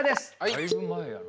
だいぶ前やな。